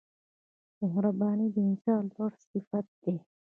• مهرباني د انسان لوړ صفت دی.